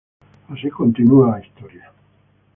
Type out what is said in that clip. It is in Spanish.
Así continua la historia...